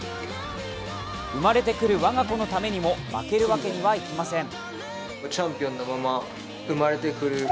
生まれてくる我が子のためにも負けるわけにはいきません。